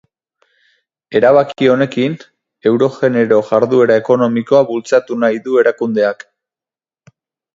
Erabaki honekin euroguneko jarduera ekonomikoa bultzatu nahi du erakundeak.